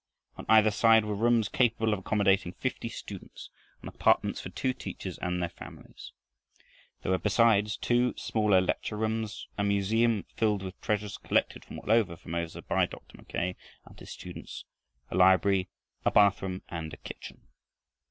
On either side were rooms capable of accommodating fifty students and apartments for two teachers and their families. There were, besides, two smaller lecture rooms, a museum filled with treasures collected from all over Formosa by Dr. Mackay and his students, a library, a bathroom, and a kitchen.